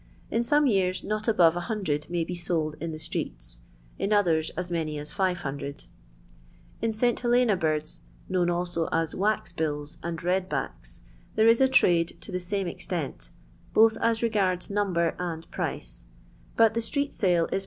In some years not abore 100 may be sold in the streeto ; in others, as many as 500. In St. Helena birds, known also as wax bills and red backs, there is a trade to the same extent, both as regards number and price ; but the street sale is perhaps 10 per cent lower.